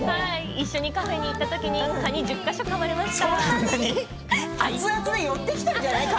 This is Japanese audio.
一緒にカフェに行った時に蚊に１０か所、食われました。